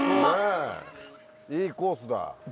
いいコースだ。